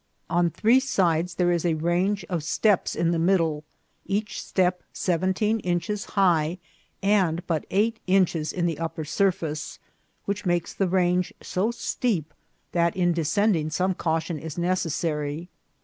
On three sides there is a range of steps in the middle, each step seventeen inches high, and but eight inches on the up per surface, which makes the range so steep that in de scending some caution is necessary.